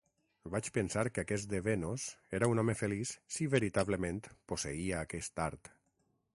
Vaig pensar que aquest Evenos era un home feliç si veritablement posseïa aquest art.